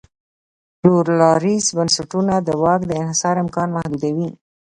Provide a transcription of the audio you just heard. پلورالایز بنسټونه د واک دانحصار امکان محدودوي.